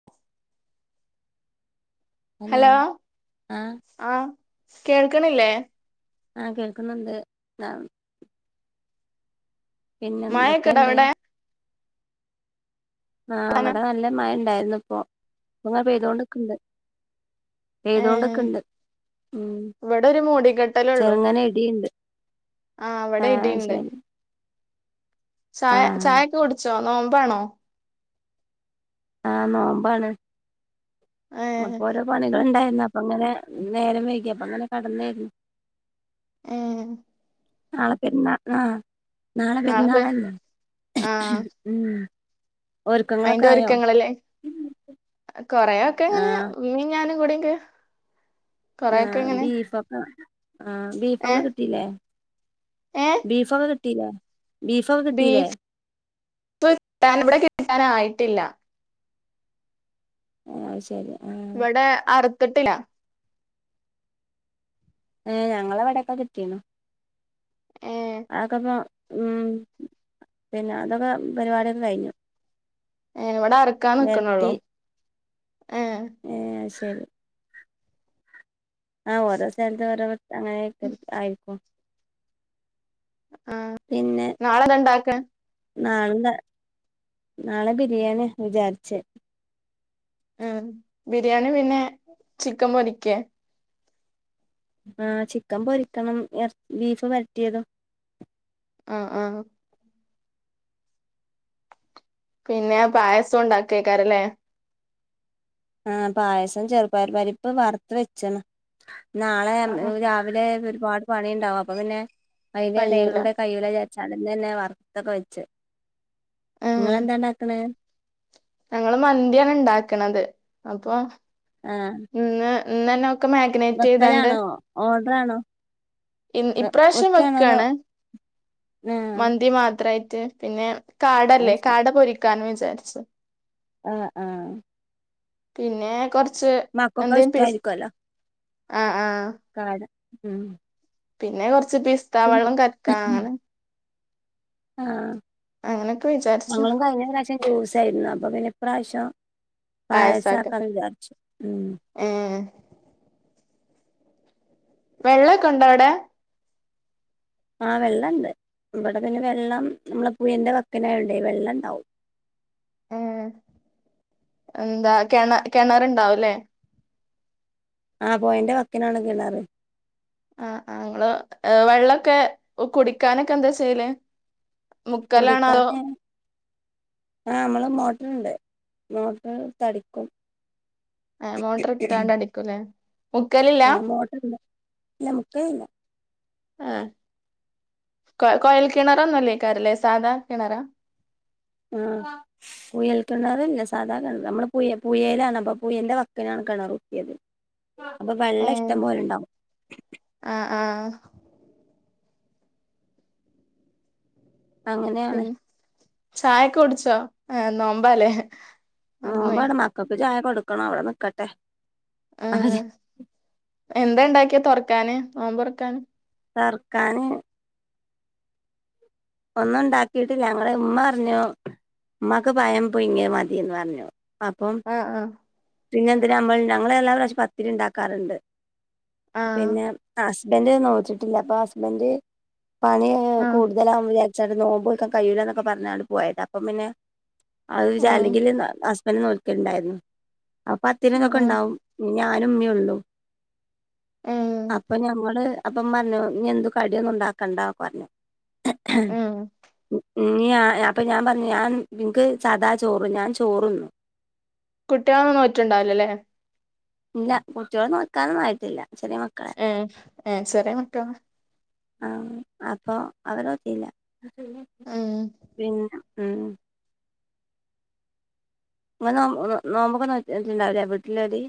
[inaudible] Hello ആഹ് ആഹ് കേൾക്ക്‌ണ് ഇല്ലേ ആഹ് കേൾക്ക്ന്ന്ണ്ട് പിന്നെ എന്തൊക്കെ മഴൊക്കെണ്ടോ ഇണ്ട് അവിടെ ആഹ് അവടെ നല്ല മയ ഇണ്ടായിരുന്നു ഇപ്പൊ ഇപ്പൊ മയ പെയ്തോണ്ട്ക്ക്‌ണ്ട് പെയ്തോണ്ട്ക്ക്‌ണ്ട് ഇവെടെ ഒരു മൂടിക്കെട്ടലാെള്ളൂ ചെറുങ്ങനെ ഇടിയുണ്ട് ആഹ് ഇവടെ ഇടിംഇണ്ട് സായ ആഹ് ചായെക്കെ കുടിച്ചോ നോമ്പാണോ ആഹ് നോമ്പാണ് ഏഹ് അപ്പോരോ പണികള് ഇണ്ടായിരുന്നു അപ്പ ഇങ്ങനെ നേരം വൈകി അപ്പഇങ്ങനെ കടന്നേര്ന്നു ഉം നാളെ പെര്ന്നാ ആഹ് നാളെ പെര്ന്നാളെല്ലേ ഉം ഒരുക്കങ്ങളൊക്കെ ഐന്റെ ആയോ ഒര്ക്കങ്ങള്ലേ കൊറേ ഒക്കെ ഇങ്ങനെ ആഹ് ഇമ്മിംഞാനും കൂടി എക്കെ ആഹ് ബീഫൊക്കെ ആന് ബീഫൊക്കെ ഏഹ് കിട്ടീലേ ഏഹ് ബീഫ്ഒക്കെ കിട്ടീലെ ബീഫ് ഫ് കിട്ടാൻ ഇവെടെ കിട്ടാനായിട്ടില്ല ആഹ് ശെരി ഇവെടെ അറ്ത്തിട്ടില്ല ഏഹ് ഞങ്ങളെ ഇവെടെക്കെ കിട്ടീന്നു ഏഹ് അതൊക്കെ ഇപ്പം ഉം പിന്നെ അതൊക്കെ പരിവാടിയൊക്കെ കയിഞ്ഞു ഏഹ് ഇവടെ അറക്കാൻ വരട്ടി നിക്ക്ണൊള്ളു ഏഹ് ഏഹ് ശെരി ആഹ് ഓരോ സ്ഥൽത്ത് ഓരോ പോൽത്തെ അങ്ങനെ ഐക്കരം ആയിരിക്കും ആഹ് പിന്നെ നാളെന്താ ഇണ്ടാക്കണെ നാള്ന്താ നാളെ ബിരിയാണിയാ വിചാരിച്ച് ഉം ബിരിയാണി പിന്നെ ചിക്കം പൊരിക്കേ ആഹ് ചിക്കംപൊരിക്കണം എർ ബീഫ് വെരട്ടിയതും ആഹ് ആഹ് പിന്നെ പായസോം ഇണ്ടാക്കൈക്കാരല്ലേ ആഹ് പായസം ചെറുപയർ പരിപ്പ് വറ്ത്ത് വെച്ച്ണ് നാളെ ആഹ് ഇംഹ് ആഹ് രാ വിലെ ഒരുപാട് പണി ഇണ്ടാവും അപ്പൊ പിന്നെ ഐന്റെ കയ്യൂല എടേയിലൂടെ കൈയ്യൂലാ വി ചാലെന്നെല്ലേ വറ്ത്തൊക്കെ വെച്ച് ഉം ഇങ്ങളെന്താ ഇണ്ടാക്കണ് ഞങ്ങള് മന്തിയാണ് ഇണ്ടാക്ക്ണത് അപ്പൊ ആഹ് ഇന്ന് ഇന്നെന്നെ ഒക്കെ മാഗ് വെക്കലാണോ ഓഡ്രാണോ ഇൻ ഇപ്രാവശ്യം വെക്കാണ് ആഹ് മന്തി മാത്രൈറ്റ് പിന്നെ അത് കാടല്ലേ ശരി കാട പൊരിക്കാന്ന് വിജാരിച്ചു ആഹ് ആഹ് പിന്നെ കൊർച്ച് മക്കൾക്കും എന്തേലും പേസ്റ്റ് ആഹ് ആഹ് കാട ഉം പിന്നെ കാെറച്ച് പിസ്തവള്ളം കൽക്കാ അങ്ങനെ ആഹ് അങ്ങനൊക്കെ വിചാരിച്ചു ഞങ്ങളും കയിഞ്ഞ പ്രാവശ്യം ജൂസൈന്നു അപ്പൊ പിന്നെ ഇപ്രാവശ്യം പായസാക്കാന്ന് വിചാരിച്ചു ഉം ഏഹേ വെള്ളൊക്കെണ്ടോ അവ്ടെ? ആഹ് വെള്ളംണ്ട് ഇവിടെ പിന്നെ വെള്ളം നമ്മളെ പുഴന്റെ വക്കിനായോണ്ട് വെള്ളം ണ്ടാവും ഉം എന്താ കെണെ കെണറ്ണ്ടാവുംല്ലേ? ആഹ് പൊയന്റെ വക്കിനാണ് കിണറ് ആഹ് ആ് ഇങ്ങള് വെള്ളൊക്കെ കുടിക്കാനൊക്കെ എന്താ ചെയ്യല്? മുക്കലാണോ അതോ? ആ അമ്മള് മോട്ടറ്ണ്ട് മോട്ടർ ഇട്ത്ത് അടിക്കും എഹ് മോട്ടർ ഇട്ടാണ്ട് അടിക്കുംല്ലേ? ആ മോട്ടറ് ഇണ്ട് ഇല്ല മുക്കേല്ല ആഹ് കൊയ കൊയൽ കിണറൊന്നും അല്ലേക്കാരല്ലേ സാദാ കിണറാ? ആഹ് കുയൽ കിണാറല്ല സാധാ കിണറാ നമ്മള് പുയേലാണ് അപ്പൊ പുഴന്റെ വക്കിനാണ് കിണർ കുത്തിയത് [inaudible] അപ്പം വെള്ളം ഏഹ് ഇഷ്ടം പോലെ ഇണ്ടാവും ആഹ് ആഹാ അങ്ങനെയാണ് പിന്നെ ചായൊക്കെ കുടിച്ചോ? ആ നോമ്പാലേ? നോമ്പാണ്‌ മക്കക്ക് ചായ കൊടുകണം അവിടെ നിക്കട്ടെ അവര് ആഹ് എന്താ ഇണ്ടാക്കിയെ തൊറക്കാന് നോമ്പ് തുറക്കാന്? തൊർക്കാന് ഒന്നും ഇണ്ടാക്കിയിട്ടില്ല ഞങ്ങൾ ഇമ്മ പറഞ്ഞു ഇമ്മാക്ക് പഴം പുഴുങ്ങിയത് ‌മതീന്ന് പർഞ്ഞു അപ്പം ആഹ് പിന്നെന്തിനാ നമ്മൾ ഞങ്ങള് എല്ലാ പ്രാശ്യം പത്തിരി ഇണ്ടാക്കാറ്ണ്ട് ആഹ് ആഹ് പിന്നെ ഹസ്ബന്റ് നോറ്റിട്ടില്ല അപ്പൊ ഹസ്ബന്റ് പണി കഴി യുമ്പം ആഹ് കൂടുതലാവും വിചാരിച്ചാട്ട് നോമ്പ് നോല്ക്കാൻ കഴിയൂല എന്നൊക്കെ പറഞ്ഞാട്ട് പോയതാ അപ്പം പിന്നെ അത് പിന്നെ ചായ ഉം അല്ലെങ്കില് ഹസ്ബന്റ് നോൽക്കല് ഇണ്ടായിരുന്നു അപ്പൊ പത്തിരി ഉം ഇതൊക്കെ ഉം ഇണ്ടാവും ഇഞ് ഞാനും ഇമ്മിം ഒള്ളൂ ഉം അപ്പം ഞമ്മള് അപ്പം ഇമ്മറഞ്ഞു ഇഞ് എന്തും കടിയൊന്നും ഇണ്ടാക്കണ്ട പറഞ്ഞു ഉം ഉം ഇഞ്ഞ് ആ അപ്പം ഞാ പർഞ്ഞു ഞാൻ ഇൻക്ക് സദാ ചോറ് ഞാൻ ചോറ് ന്നും കുട്ടിയളൊന്നും നോറ്റ്ണ്ടാവുല്ലല്ലേ? ഇല്ല കുട്ടിയള് നോക്കാനൊന്നും ആയിട്ടില്ല ചെറിയ മക്കളാ എഹ് ഉം ചെറിയ മക്കളാ ആ അപ്പൊ അവര് നോറ്റീല്ല ഉം പിന്നെ ഉം ഇങ്ങള് നോമ്പ് നോമ്പൊക്കെ നോറ്റ്ണ്ടാവുല്ല വീട്ടിള്ളോര്?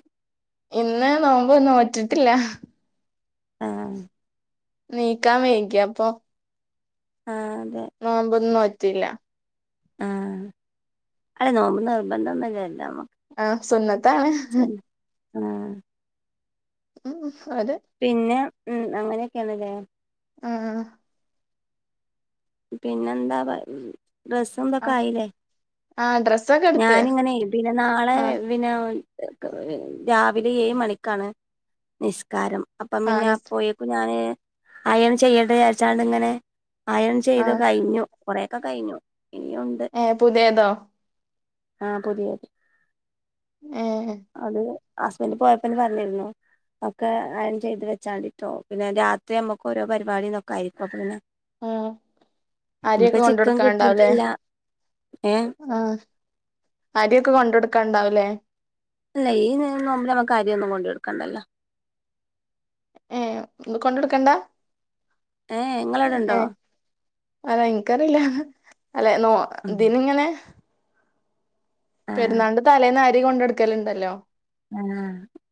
ഇന്ന് നോമ്പ് നോറ്റിട്ടില്ല ആഹ് നീക്കാം വൈകി അപ്പൊ ആഹ് അതെ നോമ്പൊന്നും നോറ്റില്ല ആഹ് അല്ല നോമ്പ് നിർബന്ധം ഒന്നു ഇല്ലല്ലോ എല്ലാ ആഹ് സുന്നത്താണ് ആഹ് ഉം അതെ പിന്നെ ഉം അങ്ങനെയൊക്കെണ് ല്ലേ ആഹ് - പിന്നെന്താ പ ഡ്ര സ്സ് തെക്കെ ആയില്ലേ ആ ഡ്രസ്സൊക്കെ എടുത്ത് ഞാൻഇങ്ങനെ പിന്നെ നാളെ ആ പിന്നെ രാവിലെ ഏഴ് മണിക്കാണ് നിസ് കാരം അപ്പം ആ പിന്നെ നിസ് അപ്പോയേക്കും ഞാന് അയൺ ചെയ്യട്ടേ വിചാരിച്ചാണ്ട് ഇങ്ങനെ അയൺ ആ ചെയ്ത് കഴിഞ്ഞു കൊറെ ഒക്കെ കഴിഞ്ഞു ഇനിയു ഇണ്ട് ഏഹ് പുതിയതോ ആഹ് പുതിയത് ഏഹ് അത് ഹസ്ബന്റ് പോയപ്പ ന്നെ പറഞ്ഞിരുന്നു ഒക്കെ അയൺ ചെയ്തു വെച്ചാ മതിട്ടോ. പിന്നെ രാത്രി നമ്മെക്ക് ഓരോ പരിപാടി തൊക്കായിരിക്കും അപ്പംപ്പിന്നെ. ആഹ് അരിയൊക്കെ കൊണ്ട് ചിക്കൻ കൊടുക്കാൻണ്ടാവുല്ലേ കിട്ടിയിട്ടില്ല ഏ ആഹ്. അരിയൊക്കെ കൊണ്ട് കൊടുക്കാൻണ്ടാവുലേ ഇല്ലഈ നേരം നമ്പിനമ്മക്കരി ഒന്നും കൊണ്ടു കൊടുക്കണ്ടല്ലോ. ഏഹ് കൊണ്ടുക്കൊടുക്കണ്ടാ. ഏ ഇങ്ങളവിടെ ഉണ്ടോ ഏഹ്. ആ എനിക്കറിയില്ല. അല്ലേ നോ ഉം ഇതിനിങ്ങനെ. ആഹ് പെരുന്നാൾൻ്റെ തലേന്ന് അരി കൊണ്ടെടുക്കലുണ്ടല്ലോ. [unintelligible]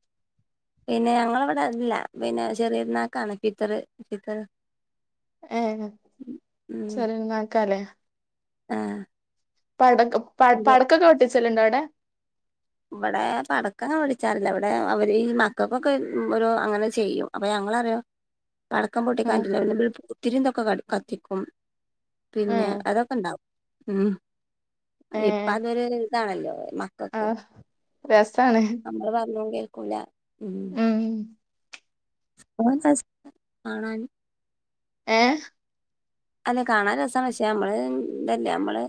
പിന്നെ ഞങ്ങെളവടെയല്ല. പിന്നെ ചെറിയ നാക്കാണ് ഫിത്തറ് ഫിത്തറ്. ഏഹ് ഉം ചെറിയ പെരുന്നാൾക്കാലേ. ആഹ് പടക്കം ഇത് പടക്കൊക്കെ പൊട്ടിച്ചല്ലുണ്ടോ അവെടെ? ഇവെടെ പടക്കങ്ങെ പൊട്ടിച്ചാറില്ല. ഇവെടെ അവിര് ഈ മക്കക്കൊക്കെ ഒരു അങ്ങനെ ചെയ്യും. അപ്പൊ ഞങ്ങറിയും പടക്കം പൊട്ടികാൻ ഉം പറ്റുലല പിന്നെളി പൂത്തിരിറ്റെക്കെ ത്തിക്കും. പിന്നെ ഉം അതൊക്കെയൊണ്ടാവും ഉം. ഏ ഇപ്പ അതൊരു ഇതാണല്ലോ മക്കക്ക്. രെസാണ്. നമ്മെള് പറഞ്ഞതും കേൾക്കൂല. ഉം ഉം ഓ [unintelligible] കാണാന് ഏഹ് അല്ല, കാണാൻ രെസാണ്. പക്ഷേ നമ്മെള് തല്ലെ നമ്മെള്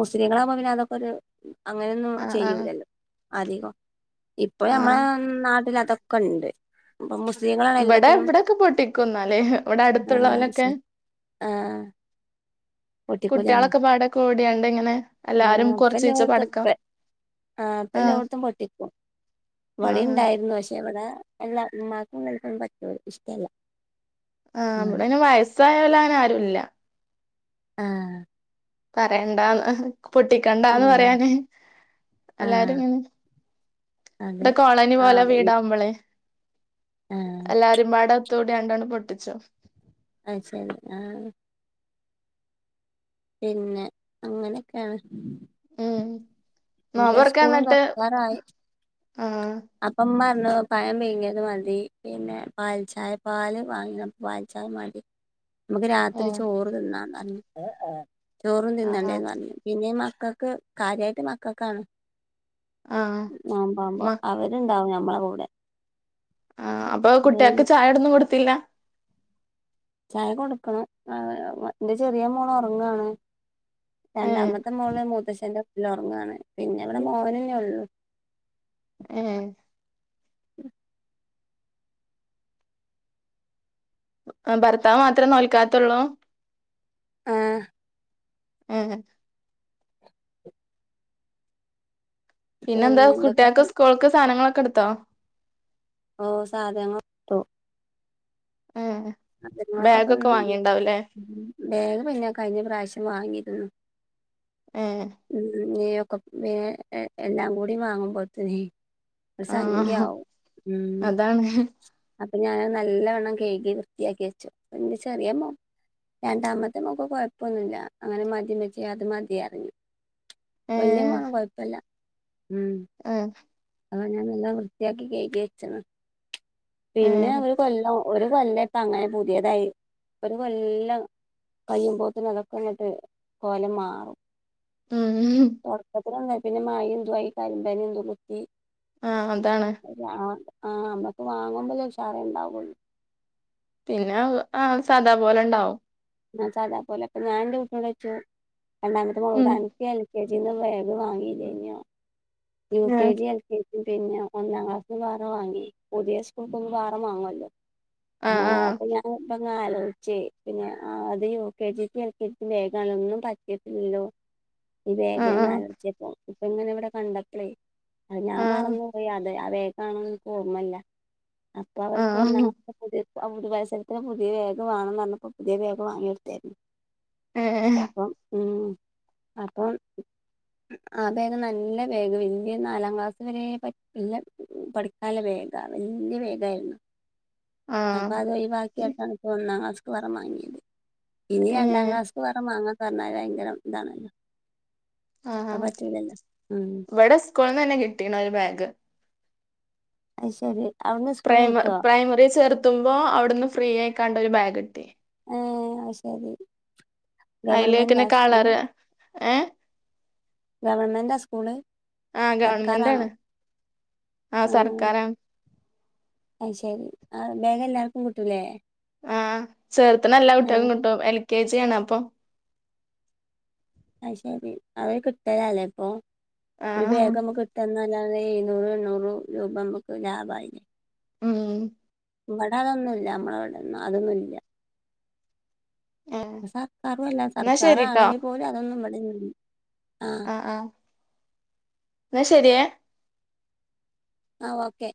മുസ്ലീങ്ങളാമ്പോ പിന്നെ അതക്കൊരു. അങ്ങനെയൊന്നും ആഹ് ആഹ് ചെയ്യൂലല്ലോ അധികം. ഇപ്പ നമ്മെള ആഹ് നാട്ടിലതൊക്കെ. ഒക്കൊണ്ട്. അപ്പൊ മുസ്ലിങ്ങളാണ് ഇവിടെ എല്ലാത്തിനും ഇവിടൊക്കെ പൊട്ടിക്കുംന്നാല് ഇവിടെ ആ അടുത്തുള്ളോലൊക്കെ വിശ്യം. ആഹ് പൊട്ടിക്കൂലേ കുട്ടികളക്കെ പാടെ കൂടിയാണ്ടിങ്ങനെ എല്ലാരും ആഹ് ഇപ്പ കൊറെച്ച് യീച്ച എല്ലോടത്തും പടക്കൊം. ഇപ്പ ആഹ് അപ്പ എല്ലോടത്തും പൊട്ടിക്കും. ആഹ് പെടിംണ്ടായിരുന്നു. പക്ഷെ ഇവെടെ. എല്ലാ ഉമ്മാക്കും വെല്ലുബാപ്പയ്ക്കു ഇഷ്ടേല്ല. ആഹ് അവിടെന് വയസ്സായവേലനാരുല്ല. ആഹ് പറയണ്ടാന്ന്. പൊട്ടിക്കണ്ടാന്ന് ഉം പറയാന് ആഹ് എല്ലാരുയിങ്ങനെ. അതെ വടെ കോളനി പോലെ ആഹ് ഈ വീടാവുമ്പളെ ആഹ്. എല്ലാരും പാടെ ത്തോടിയണ്ടെണ്ണം പൊട്ടിച്ചു. അയ് ശെരി. ആഹ്. പിന്നെ അങ്ങനെക്കാണ്. നോമ്പർക്കന്നിട്ട് തുറക്കാറായി ആഹ്. അപ്പം മ്മർഞ്ഞു പയം പുയ്ങ്ങ്യത് മതി. പിന്നെ പാൽ ചായ പാല് വാങ്ങ പാൽ ചായ മതി. മ്മക്ക് രാത്രി ഏഹ് ചോറ് തിന്നാന്നർഞ്ഞ്. ഏഹ്‌ ആഹ് ചോറും ആഹ് തിന്നണ്ടേന്നർഞ്ഞ്. പിന്നെ മക്കക്ക് കാര്യായിട്ട് മക്കക്കാണ്. ആഹ് നോമ്പാഉമ്പൊ മ അവെര്ണ്ടാവും ഞമ്മളെ കൂടെ. ആഹ് അപ്പ അത് കുട്ട്യേക്ക് കഴിഞ്ഞ് ചായൊടൊന്ന് കൊടുത്തില്ല? ചായ കൊടുക്കണം. [unintelligible] ന്റെ ചെറിയ മോളോറങ്ങാണ്. ഏഹ് രണ്ടാമത്തെ മോള് മൂത്തശ്ശന്റെ [unintelligible] ഒർങ്ങാണ്. പിന്നെ വെടെ മോനെന്നെള്ളു. ഏഹ്. അഹ്‌ ഭർത്താവ് മാത്രം നോൽക്കാത്തൊള്ളൂ? ആഹ്. ഏഹെ പിന്നെ ന്താ കുട്ട്യേക്ക് സ്കൂൾക്ക് സാനങ്ങളൊക്കെടുത്തോ? ഓഹ് സാധനങ്ങ ഏഹ് ബേഗൊക്കെ വാങ്ങിണ്ടാവുല്ലേ? ബേഗ് പിന്ന കഴിഞ്ഞ പ്രാവ്ശ്യം വാങ്ങിരുന്നു. ഏഹ് ഉം ഞ്ഞിയൊക്കെ വേം എ എല്ലാം കൂടി വാങ്ങുമ്പോത്തിനെ ഒരു ആഹ് സംഗ്യാവും ഉം അതാണ് അപ്പൊ ഞാന നല്ലവണ്ണം കയ്കി വൃ ത്ത്യാക്കി വെച്ചു ന്റെ ചെറിയ മോ രണ്ടാമത്തെ മോക്ക് കൊയപ്പൊന്നുല്ല. അങ്ങനെ മതി മ്മച്ചിയെ അത് മതി അർയു. വല്യ ഏഹ് മോനും കൊയപ്പല്ല. ഉം. ഏഹ്. അതൊ ഞാനെല്ലാം വൃത്തിയാക്കി കെയ്കി വെച്ചതാ. പിന്നെ ഏഹ് ഒരു കൊല്ലം ഒരു കൊല്ല പ്പങ്ങനെ പുതിയതായി ഒരു കൊല്ലം കയ്യുമ്പോത്തിന് അതൊക്കെങ്ങട്ട് കോലം മാറും. ഊം ഹും തൊടക്കത്തി [unintelligible] പിന്നെ മയ ന്തു ആയി കരിമ്പനു ന്തു കുത്തി ആഹ് അതാണ്. ആഹ് ആഹ് അമ്മക്ക് വാങ്ങുമ്പല്ലെ ഷാറു ണ്ടാവുള്ളൂ. പിന്നഅ ആ സാദാ പോലെണ്ടാവും. ആഹ് സാദാ പോലെക്കെ ഞാൻന്റെ കുട്ടിനോടൊയ്ച്ചു രണ്ടാമത്തെ മോളോട് ഉം അൻ ക്കെൽ കെ ജിന്ന് ബേഗ് വാങ്ങില്ലെയ്ഞ്ഞോ യു കെ ഏഹ് ജി [unintelligible] പിന്ന ഒന്നാം ക്ലാസ്സിന് വേറ വാങ്ങി പുതിയ സ്കൂക്കൊന്ന് വാറ വാങ്ങുഅ ല്ലോ. ആഹ് അങ്ങനെ ആഹ് അപ്പൊ ഞാൻ [unintelligible] ആലോയ്‌ച്ചെ പിന്ന ആഹ് അത് യു കെ ജിക്കും എൽ കെ ജിക്കും വേഗാണ് ഒന്നും പറ്റിട്ടില്ലല്ലോ. ഈ ബേഗിന് [unintelligible] ഇപ്പ ങ്ങനെ വിടെ കണ്ട പ്പളെ അത് ഞാൻ ആഹ് ആഹ് മറന്നുപോയി അത് അവേഗാണെന്ന് ൻക്കോ ർമ്മല്ല. ആഹ് അപ്പവർക്ക് ഒന്നാ ആഹ് [unintelligible] പുതിയ പുതവൽസരത്തിന് പുതിയ വേഗ് വാണന്നർഞ്ഞപ്പോ പുതിയ ബേഗ് വാങ്ങ്യൊട്ത്തായിരുന്നു. ഏഹ് അപ്പം ഉം അപ്പം ആ ബേഗ് നല്ല ബേഗ് വല്യ നാലാം ക്ലാസ് വരെ പറ്റിയ പഠിക്കാൻല ബേഗ വല്യ ബേഗായിരുന്നു അപ്പൊ ആഹ് അത് ഒഴിവാക്കിയാട്ട് ഒന്നാം ക്ലാസ്ക്ക് വ വാങ്ങിയത് ഇനി രണ്ടാം ഏഹ് ക്ലാസ്ക്ക് വേറെ മാങ്ങാ പറഞ്ഞാല് ഭയങ്കരം ഇതാണ് അഹ് പറ്റൂലല്ലോ ഉം കൂള്ന്നെന്നെ കിട്ടീണ് ഒരു ബേഗ് അയ് ശെരി പ്രൈമ പ്രൈമറി ചേർത്തുമ്പോ അവിടുന്ന് ഫ്രീ ആയിക്കാണ്ടൊരു ബാഗ് കിട്ടി ഏഹ് അയ് ശെരി അയിലേറ്റെന്നെ കളറ് ഏഹ് ഗവൺമെന്റാ സ്കൂള്? ആ ഗവൺമെന്റ് സർക്കാറാണോ ആണ് ആ എഹ് സർക്കാരാണ് അയ് ശരി ആ ബേഗ് എല്ലാർക്കും കിട്ടൂലേ ആഹ് ചേർത്തണ എല്ല കുട്ട്യക്കും ആഹ് കിട്ടും എൽ കെ ജി ആണ് അപ്പം അയ് ശെരി അവര് കിട്ടലല്ലേപ്പൊ ആ ഒരു ബേഗ് നമ്മക്ക് എന്നല്ലാതെ എഴുന്നൂറ് എണ്ണൂറ് രൂപ നമ്മക്ക് ലാഭായി ആഹ് ഇവിട അതൊന്നും ഇല്ല നമ്മളെ ഇവിടൊന്നും അതൊന്നു ഇല്ല ഏ ഇപ്പം സർക്കാറു അല്ല എന്നാ ശരിട്ടോ സർക്കാറാണെങ്കി പോലും അതൊന്നും ഇവിടന്നും ഇ ആഹ് ന്നാ ശരി ഏഹ് ആഹ് ഓക്കെ